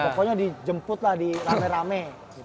pokoknya dijemput lah di rame rame